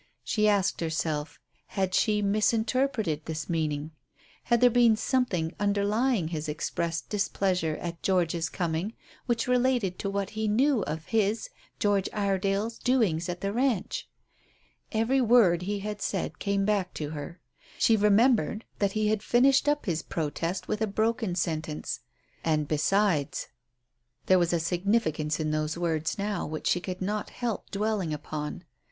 She asked herself, had she misinterpreted his meaning? Had there been something underlying his expressed displeasure at George's coming which related to what he knew of his, George Iredale's, doings at the ranch? Every word he had said came back to her. She remembered that he had finished up his protest with a broken sentence. " And besides " There was a significance in those words now which she could not help dwelling upon.